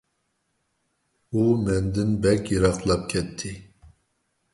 ئۇ مەندىن بەك يىراقلاپ كەتتى.